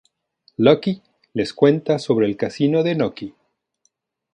Lucky les cuenta sobre el casino de Nucky.